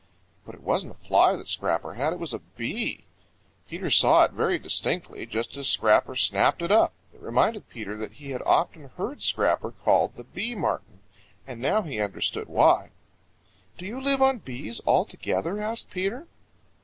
But it wasn't a fly that Scrapper had. It was a bee. Peter saw it very distinctly just as Scrapper snapped it up. It reminded Peter that he had often heard Scrapper called the Bee Martin, and now he understood why. "Do you live on bees altogether?" asked Peter.